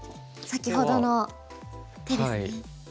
先ほどの手ですね。